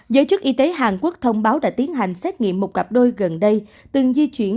giới chức y tế hàn quốc thông báo đã tiến hành xét nghiệm một cặp đôi gần đây từng di chuyển